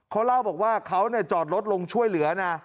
เขาเล่าบอกว่าเขาจอดรถลงช่วยเหลือนะ